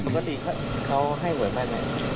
ปกติเขาให้หวยแม่นไหม